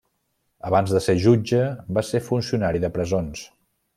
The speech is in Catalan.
Abans de ser jutge va ser funcionari de presons.